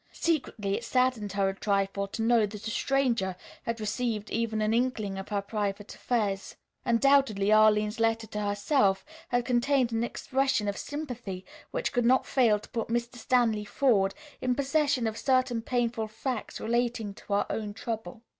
Secretly it saddened her a trifle to know that a stranger had received even an inkling of her private affairs. Undoubtedly Arline's letter to herself had contained an expression of sympathy which could not fail to put Mr. Stanley Forde in possession of certain painful facts relating to her own trouble.